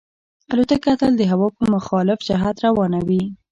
الوتکه تل د هوا په مخالف جهت روانه وي.